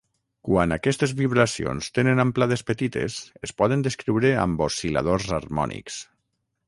Quan aquestes vibracions tenen amplades petites es poden descriure amb oscil·ladors harmònics.